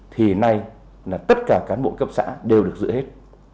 thì nay là tất cả cán bộ cấp xã đều được giữ hết